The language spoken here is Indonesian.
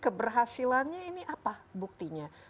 keberhasilannya ini apa buktinya